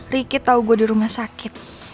riki tahu gue di rumah sakit